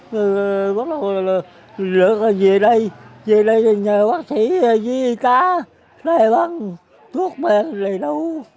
rồi bắt đầu lượt về đây về đây nhờ bác sĩ di ca lê văn thuốc mạng lấy đau